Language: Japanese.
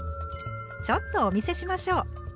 ちょっとお見せしましょう。